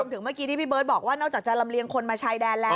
ถึงเมื่อกี้ที่พี่เบิร์ตบอกว่านอกจากจะลำเลียงคนมาชายแดนแล้ว